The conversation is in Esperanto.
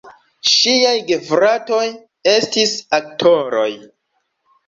Ŝiaj gefratoj estis aktoroj.